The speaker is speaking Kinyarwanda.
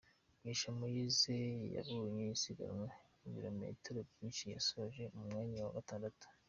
Mugisha Moïse wayoboye isiganwa ibilometero byinshi yasoreje ku mwanya wa gatandatu.